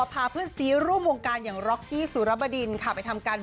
พิษีรูปวงการอย่างรกกี้สุรบดินค่ะไปทำการ